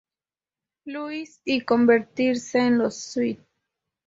Louis y convertirse en los St.